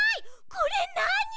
これなに？